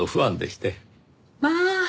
まあ！